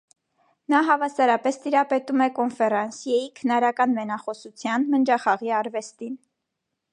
Նա հավասարապես տիրապետում է կոնֆերանսիեի, քնարական մենախոսության, մնջախաղի արվեստին։